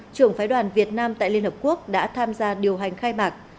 trưởng phái đoàn việt nam tại liên hợp quốc đã tham gia điều hành khai mạc